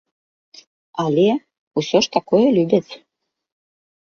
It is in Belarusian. Але ўсё ж такое любяць.